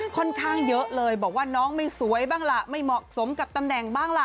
ค่อนข้างเยอะเลยบอกว่าน้องไม่สวยบ้างล่ะไม่เหมาะสมกับตำแหน่งบ้างล่ะ